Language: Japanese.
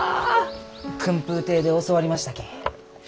薫風亭で教わりましたき。